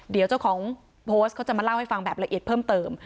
เดี๋ยวเจ้าของโพสต์เขาจะมาเล่าให้ฟังแบบละเอียดเพิ่มเติม